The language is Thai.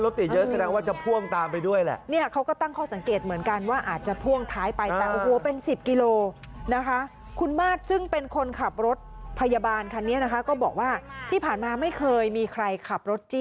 รถติดเยอะแสดงว่าจะพ่วงตามไปด้วยแหละ